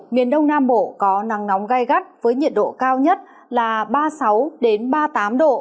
miền đông nam bộ có nắng nóng gai gắt với nhiệt độ cao nhất là ba mươi sáu ba mươi tám độ